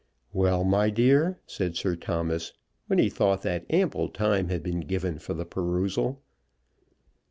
"Well, my dear," said Sir Thomas, when he thought that ample time had been given for the perusal.